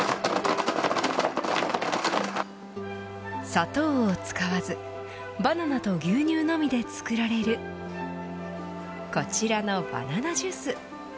砂糖を使わずバナナと牛乳のみで作られるこちらのバナナジュース。